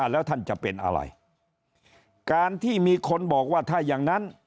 แล้วท่านจะเป็นอะไรการที่มีคนบอกว่าถ้าอย่างนั้น